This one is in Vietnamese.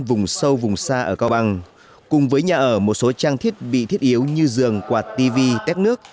vùng sâu vùng xa ở cao bằng cùng với nhà ở một số trang thiết bị thiết yếu như giường quạt tv tét nước